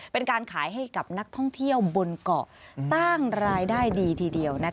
เป็นการขายให้กับนักท่องเที่ยวบนเกาะสร้างรายได้ดีทีเดียว